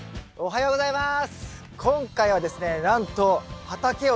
おはようございます。